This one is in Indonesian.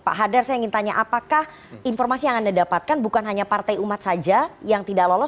pak hadar saya ingin tanya apakah informasi yang anda dapatkan bukan hanya partai umat saja yang tidak lolos